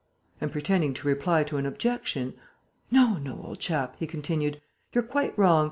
And, pretending to reply to an objection, "No, no, old chap," he continued. "You're quite wrong.